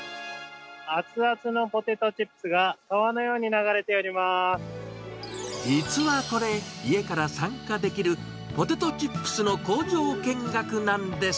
熱々のポテトチップスが川の実はこれ、家から参加できるポテトチップスの工場見学なんです。